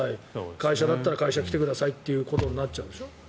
会社だったら会社来てくださいってことになっちゃうでしょ。